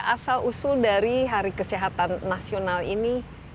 asal usul dari hari kesehatan nasional ini